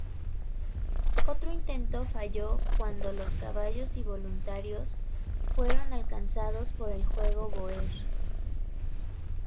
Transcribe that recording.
Otro intento falló cuando los caballos y voluntarios fueron alcanzados por el fuego Bóer.